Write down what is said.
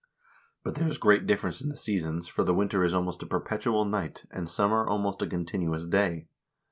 But there is great difference in the seasons, for the winter is almost a perpetual night, and summer almost a continuous day.